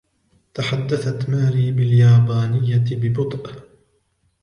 تحدثت ماري باليابانية ببطئ.